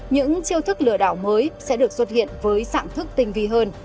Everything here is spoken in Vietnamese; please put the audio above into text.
những chiêu thức lừa đảo mới sẽ được xuất hiện với sản thức tinh vi hơn